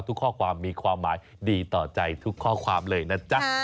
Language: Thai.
ทุกข้อความมีความหมายดีต่อใจทุกข้อความเลยนะจ๊ะ